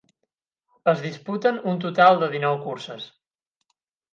Es disputen un total de dinou curses.